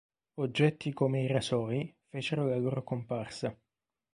Oggetti come i rasoi fecero la loro comparsa.